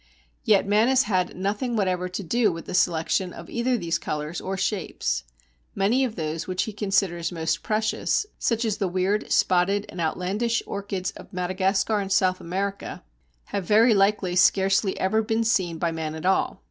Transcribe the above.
Yet man has had nothing whatever to do with the selection of either these colours or shapes. Many of those which he considers most precious (such as the weird, spotted, and outlandish Orchids of Madagascar and South America) have very likely scarcely ever been seen by man at all.